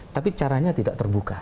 tapi caranya tidak terbuka